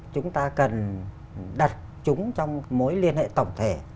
chúng ta cần đặt chúng trong mối liên hệ tổng thể